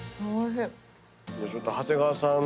ちょっと長谷川さん